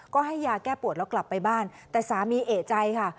ก็ให้ยาแก้ปวดแล้วกลับไปบ้านแต่สามีเอกใจค่ะ